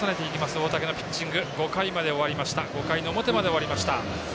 大竹のピッチング５回表まで終わりました。